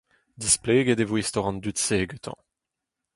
Displeget e vo istor an dud-se gantañ.